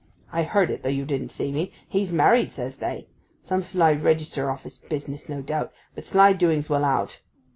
I heard it, though you didn't see me. "He's married!" says they. Some sly register office business, no doubt; but sly doings will out.